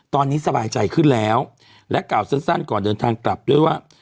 ตอนนี้สบายใจขึ้นแล้วและกล่าวสั้นก่อนเดินทางกลับด้วยว่า